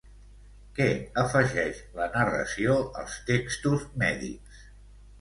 Què afegeix la narració als textos mèdics?